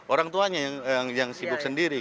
orang tuanya yang sibuk sendiri